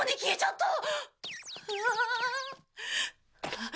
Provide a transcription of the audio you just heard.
えっ？